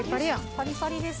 パリパリです。